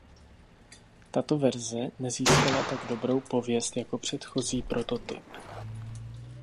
Tato verze nezískala tak dobrou pověst jako předchozí prototyp.